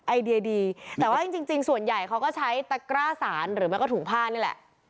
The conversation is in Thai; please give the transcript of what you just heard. ไอเดียดีแต่ว่าจริงส่วนใหญ่เขาก็ใช้ตะกร้าสารหรือไม่ก็ถุงผ้านี่แหละ